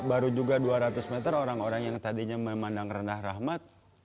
baru juga dua ratus meter orang orang yang tadinya memandang rendah rahmat